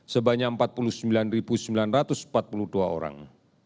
sebanyak empat puluh sembilan sembilan ratus empat puluh dua orang